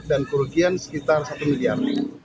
dan kerugian sekitar satu miliar